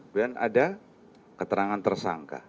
kemudian ada keterangan tersangka